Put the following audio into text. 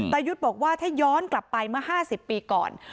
ยุทธ์บอกว่าถ้าย้อนกลับไปเมื่อ๕๐ปีก่อน